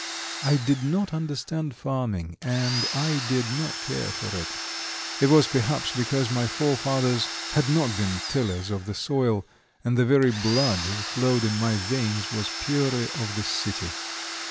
I did not understand farming, and I did not care for it; it was perhaps because my forefathers had not been tillers of the soil, and the very blood that flowed in my veins was purely of the city.